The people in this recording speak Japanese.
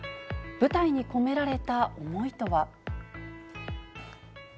舞台に込められた思いとは。